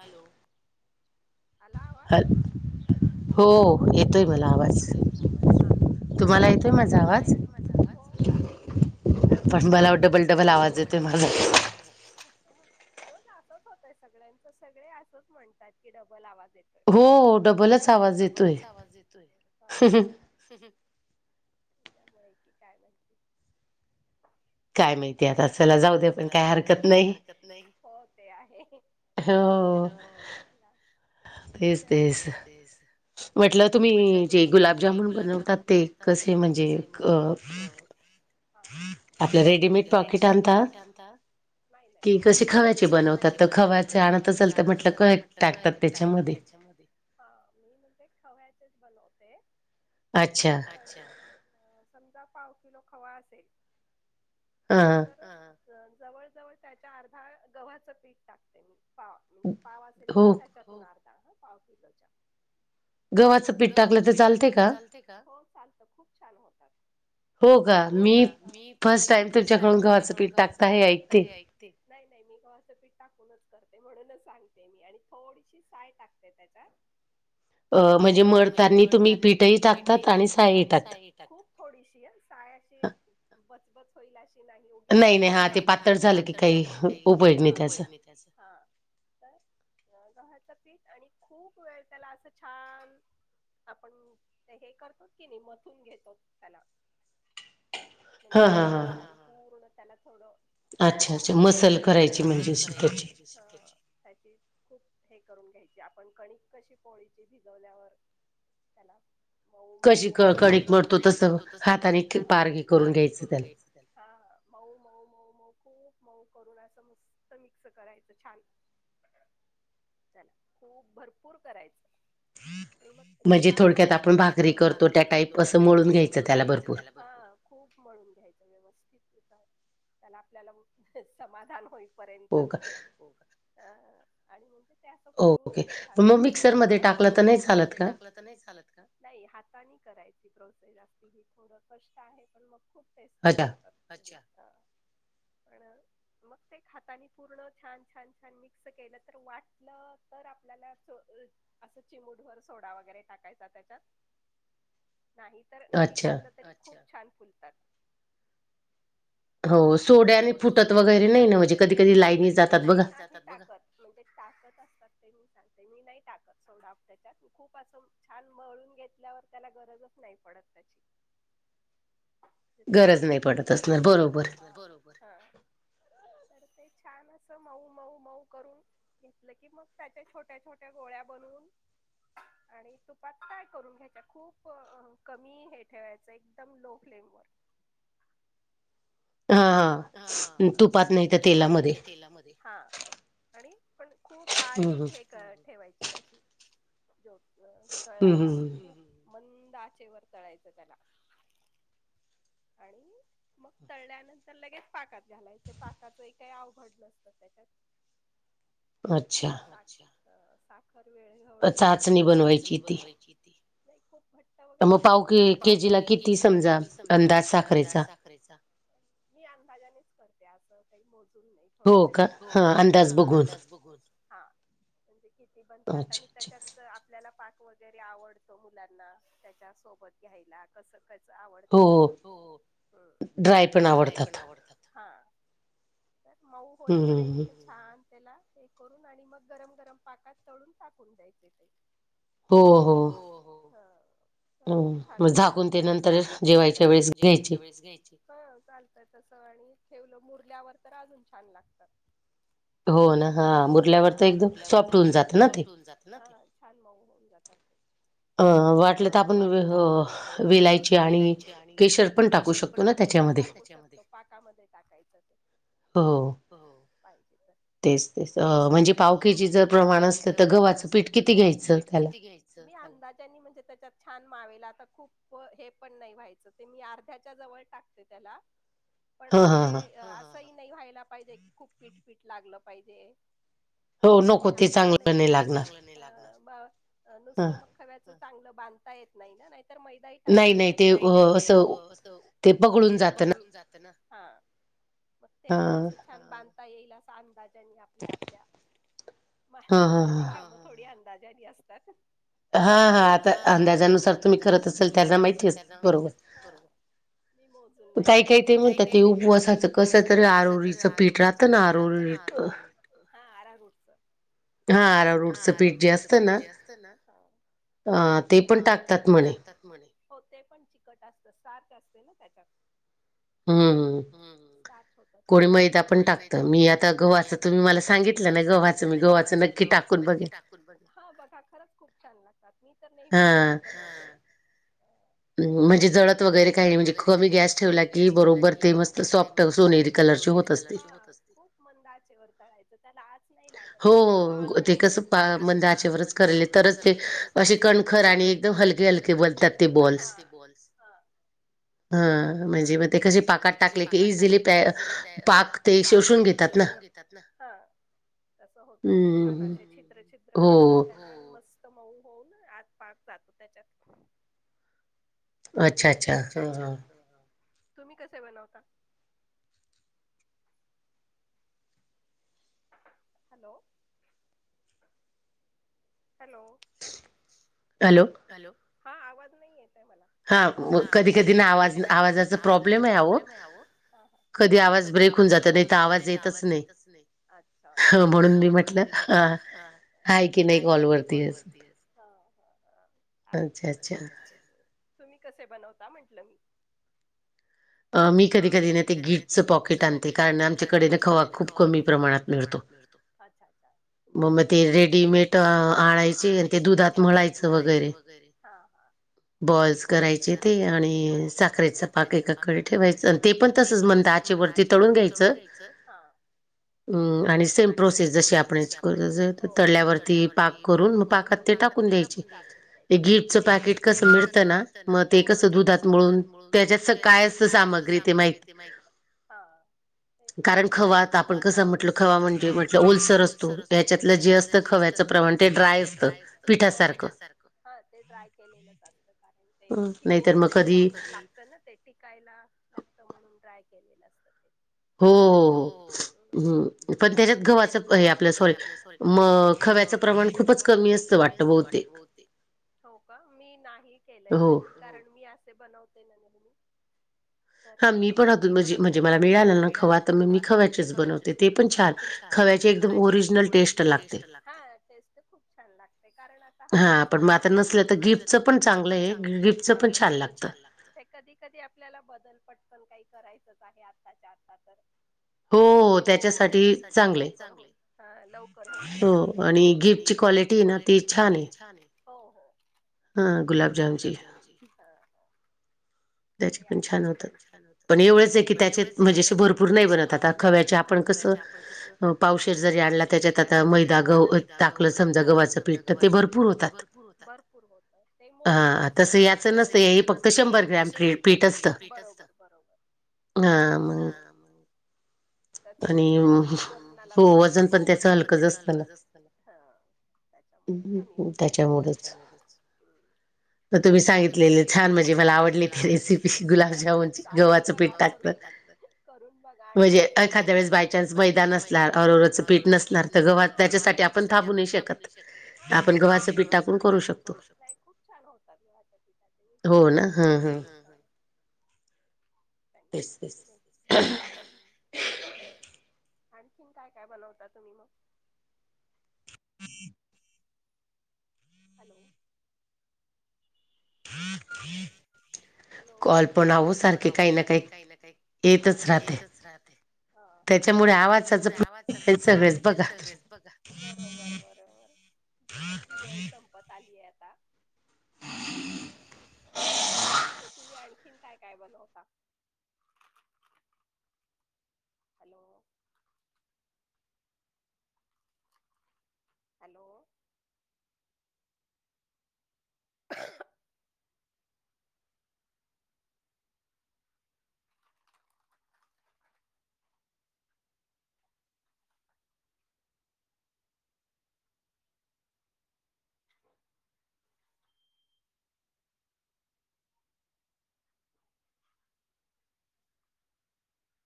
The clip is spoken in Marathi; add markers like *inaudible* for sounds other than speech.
हॅलो. *inaudible* आला आवाज? हो येतोय मला आवाज, तुम्हाला येतोय माझा आवाज? हो हो व्यवस्थित. *unintelligible* पण मला डबल-डबल आवाज येतोय माझा. माजा रोज असच होतय सगळ्यांच, सगळे असंच म्हणतात की डब लं आवाज येतोय! हो डबलच आवाज येतोय. त्याच्यामुळे कि काय माहिती. काय माहिती आता असल, चला जाऊ दे पण काय हरकत नाही हो ते आहे. हो चला विषय तेच-तेच. म्हटलं तुम्ही जे गुलाबजामून बनवतात ते, कसे म्हणजे क आपल्या रेडीमेड पाॅकीट आणता कि कशी खव्याची बनवतात, तर खव्याच आणत असल तर म्हटलं काय टाकतात. टाकतात त्याच्यामध्ये, हा मी म्हणजे खव्याचेच बनवते. अच्छा. च्छा आणि समजा पाव किलो खवा असेल, तर अ जवळ-जवळ त्याच्या अर्धा गव्हाचं पीठ टाकते मी, पाव म्हणजे पाव असेल तर त्या हो, अर्धा पाव किलो च्या गव्हाच पीठ टाकलं तर चालतयं का? हो चालत. खूप छान होतात. हो का, मी फर्स्ट टाइम तुमच्याकडून गव्हाचं पीठ टाकता हे ऐकते. नाही नाही, मी गव्हाचं पीठ टाकूनच करते म्हणूनच सांगते मी आणि थोडीशी साय टाकते त्याच्यात. अ म्हणजे मळतानी तुम्ही पिठही टाकतात, आणि सायही टाकतात. त्यात खूप थोडीशी साय अशी बचबच होईल, अशी नाही ओ. कि आपलं नाही नाही, हा ते पातळ झालं की हा काही उपयोग नाही त्याचा हा. तर गव्हाचं पीठ आणि खूप वेळ त्याला असं छान आपण हे करतो की नाही, मथून घेतो त्याला. म्हणजे हा हा पूर्ण त्याला थोडं पाच दहा मिनिटा पर्यत अच्छा अच्छा! मसल करायची म्हणजेच त्याची खूप हे करून घ्यायची, आपण कणिक कशी पोळीची भिजवल्यावर त्याला मऊ मऊ कशी कडकडीत मळतो, तसं हाताने ती पारगी करून घ्यायची. हा हा, मऊ मऊ मऊ मऊ खूप मऊ करुन असं मस्त कणिक मिक्स करायचं छान. *inaudible* चला खूप भरपूर करायचं. आणि मग ते छान म्हणजे थोडक्यात आपण भाकरी करतो त्या टाईप कसं मळुन घ्यायचं. हा खूप मळुन घ्यायचं व्यवस्थित पिठात त्याला आपल्याला समाधान होईपर्यंत हो का अ ह आणि म्हणजे ते असं फुलून येतं छान मिक्स होतं ओके मग मिक्सर मध्ये टाकलंत. नाही चालत का नाही हातांनी करायची प्रोसेस असती ही थोडं कष्ट आहे पण मग खूप. टेस्टी लागतात अच्छा पण. मग ते खातानी पूर्ण छान छान छान मिक्स केलं तर वाटलं तर आपल्याला च असं चिमुूट भर सोडा वगैरे टाकायचा त्याच्यात नाहीत. अच्छा अच्छा त्यानी खूप छान फुलतात. *inaudible* आणि मग हो सोड्याने आणि फुटत वगैरे नाही ना म्हणजे कधी कधी लाईनी जातात बघ मी नाही टाकत. म्हणजे टाकत असतात ते मी सांगते मी नाही टाकत सोडा त्याच्यात खूप असं. छान मळून घेतल्यावर त्याला गरजच नाही पडत त्याची. त्यास मळून गरज नाही पडत अस बरोबर हा हा. तर ते छान असं मऊ मऊ मऊ करून. घेतलं की मग त्याच्या छोट्या छोट्या गोळ्या बनवून. आणि तूपात काय करून घ्यायच्या खूप कमी हे ठेवायचं एकदम लो फ्लेवर. तो हा हा तुपात नाही त्या तेलामध्ये हा. आणि पण खूप बारीक हे. तर ठेवायची त्याची जोतवर तळायला. मंद आचेवर तळायचं त्याला. आणि मग तळल्यानंतर लगेच पाकात घालायचे पाकाचं काही अवघड नसतं त्याच्यात. *unintelligible* नत साक्ष साखर वेळ. चाचणी बनवायची ती. वगैरे मग पाव केजी ला किती समजा. मी अंदाजाच करते अस काही मोजून. थोड त्याच्यात हो का अंदाज बघून. हा म्हणजे किती बनतात आणि त्याच्या क आपल्याला. पाक वगैरे आवडतो मुलांना त्याच्या सोबत घ्यायला कस कसं आवडतं तसं. हो ड्राय पण आवडतात. तर मऊ होईपर्यंत छान. त्याला हे करून आणि मग गरम गरम पाकात तळून टाकून द्यायचे ते. हो हो. हो हो खूप छान झाकून ते नंतर जेवायच्या वे. चालत तस आणि ठेवलं मुरल्यावर तर अजून छान लागतात. हो ना हा मुरल्यावर तर एकदम सॉफ्ट होऊन जात ना ते. जात ना ते. छान मऊ होऊन जातात ते. अ वाटलं तर आपण वेलायची आणि केश. पण टाकू शकतो त्याच्या पाकामध्ये टाकायचं ते हो हो पाहिजे तर. तेच तेच अ म्हणजे पावकचे जर प्रमाण असत तर गव्हाचं पीठ किती घ्यायचं. अानी म्ह त्याच्यात छान मावेला आता खूप हे पण नाही व्हायचं ते मी अर्ध्याच्या जवळ टाकते त्याला. *inaudible* पण म्हणजे असंही नाही व्हायला पाहिजे की खूप फिट फिट लागलं पाहिजे. आणि असं नक हो ते चांगलं नुसत मग खव्याच चांगलं बांधता येत नाही ना नाहीत. टाकतात नाही नाही ते अस ते बगडून जात ना. मग ते असं छान बांधता येईल असा अंदाजानी आप आपल्या आपल्या माझी कामं थोडी अंदाजानी असतात. हा हा आता अंदाजानुसार तुम्ही करत असाल त्याला माहिती बरोबर. मी मोजून नाही करत काही काही ते म्हणतात ते उपवासाच कस तरी आरोरी. स पीठ राहता ना आरू हा आर. हा आ रूडचं पीठ जे असत ना ते पण टाकतात. णे हो ते पण चिकट असत सारख असते ना त्याच्यात. हम्म हम. ह होत ते कोडी मैदा पण टाकत मी आता गवच तुम्ही मला सांगित. नाही गव्हाच मी गोवा. टा बघा खरच खूप छान लागतात मी तर नेहमीच बघ. म्हणजे जळत वगैरे काही म्हणजे कमी गॅस ठेवला की बरोबर ते मस्त सप. सोनेरी कलर होत अस खूप मंदाचे वर तळायच त्याला आच नाही लागत ना ख. ते कस मचेवरच करले तरच ते असे कणखर आणि एकदम हलके हल. बोलत ते बोलस *inaudible* ह म्हणजे मग ते कसे पाकात टाकले की इझिली प पाक ते शोषून घेतात ना. तात छित्रित्र. मस्त मऊ होऊ ना आत पाक जातो त्याच्यात. अच्छा अच्छा हा तुम्ही कसे बनवता. हॅलो हॅलो हॅलो हॅलो हा आवाज नाही येत आहे मला हा कधी कधी नावा आवाजाचा प्रॉब्लेम आहे कधी आवाज ब्रेक होऊन जात नाही तर आवाज येतच नाही अच्छ म्हणून मी म्हटलं हा हायकिंडिक हॉल वरती आहे अच् अच्छ तुम्ही कसे बनवता म्हंटलं मी अ मी कधी कधी नाही ते गीटचं पॉकेट आणते कारण आमच्याकडे खवा खूप कमी प्रमाणात मिळतो अच्छा अच्छा मग मग ते रेडीमेट आणायचे ते दुधात म्हच वगैरे बॉल्स करायचे ते आणि साखरेच पा काकडे ठेवायचं ते पण तसच म्हण दचेवररती तळून घ्यायचं आणि सेम प्रोसेस ज आप तल्यावरती पाक करून ा मिळत ना मग ते क दुधातून त्याच्या काय अस सामग्री ते माहि ह ते पण कारण खवत आपण कसं म्हटलं खवा म्हणजे म्हटलं ओलसर असतो त्याच्यातलं जे असत खव्याचं प्रमाण ते ड्राय असतं पिठासारखं ते ड्राय केलेलं असत का ना ते टिकायला लागत म्हणून ट्राय केलेलं असत ते हो हो पण त्याच्यात गवाच आपलं सॉरी म खव्याचं प्रमाण खूपच कमी असतं वाट होते हो का मी नाही केलंय कधी कारण मी असे बनवते ना नेहमी तर मी पण अजून म्हणजे मला वेळ आला ना खवा तर मग मी खव्याचेच बनवते ते खुपच छान खव्याची एकदम ओरिजनल टेस्ट लागते, खूप छान लागते कारण हल्ली सगळं आता पण म आता नसल, तर गिफ्टच पण चांगलं आहे गिफ्टच पण छान ते कधी कधी आपल्याला बदल पटकण काही करायचंच आहे आत्ताच्या आता तर हो. हो, त्याच्यासाठी चांगलय लवकर होऊन जात ते आणि गिफ्ट ची क्वालिटी ना ती छान आहे हो हो, गुलाबजामची. *unintelligible* छान होत, पण एवढंच की त्याचे म्हणजे असे भरपूर नाही बनत आता खव्याच्या आपण कसं अ पावशेर जरी आणला त्याच्यात आता मैदा गहू टाकलं समजा गव्हाचं पीठ ते भरपूर होत भरपूर होत ते मोजक असत, तस याच नसत हे फक्त श *unintelligible* पीठ असतं बरोबर बरोबर हा मग त्याच वजन आणि वजणालाच कमी असत, हो वजन पण त्याच हलकंच असत ना हा. त्याच्यामुळे कमी होतात ते त्याच्यामुळेच. म तुम्ही सांगितलेले छान म्हणजे, मला आवडले ती रेसिपी गुलाबजामन चालेल, बघा करुन गव्हाच पिठं टाकून. करून बघा आणि मग म्हणजे एखाद्या वेळेस बाय चान्स मैदा नसला *unintelligible* पीठ नसलं तर, गव्हात त्याच्यासाठी आपण थांबू नाही शकत. हा नाही, आपण गव्हाच पिठ टाकुन करू शकतो, खूप छान होतात गव्हाच्या पिठाचे. हो ना, ह ह. ह ह. *unintelligible* आणखीन काय काय बनवता, तुम्ही मग? *unintelligible* हॅलो! *unintelligible* हॅलो! कॉल पण आवो सारखे काही ना काही हा हा येतच राहते, हा हा हा त्याच्यामुळे आवाजच सगळच बघा. बरोबर बरोबर, तशीही वेळ संपत आलीय आता. मी म्हटल, तुम्ही- तुम्ही आणखीन काय काय बनवता? हॅलो! हॅलो! *unintelligible*